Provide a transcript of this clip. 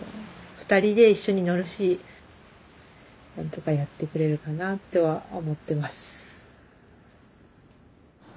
２人で一緒に乗るし何とかやってくれるかなとは思ってます。